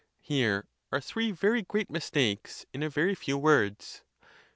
Here are three very great mistakes in a very few words.